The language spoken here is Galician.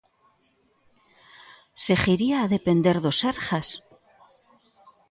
Seguiría a depender do Sergas?